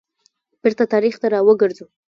بیرته تاریخ ته را وګرځو.